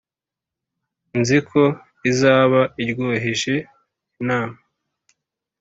nzi ko izaba iryoheje inyama!”